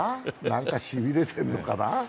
なんかしびれてるのかな？